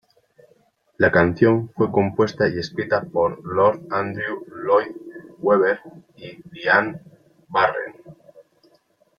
La canción fue compuesta y escrita por Lord Andrew Lloyd Webber y Diane Warren.